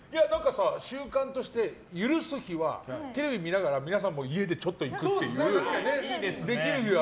習慣として、許す日はテレビを見ながら皆さんも家でちょっといくという。